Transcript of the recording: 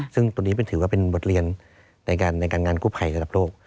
ซึ่งตรงนี้ถือว่าเป็นบทเรียนในการงานกู้ภัยระดับโลก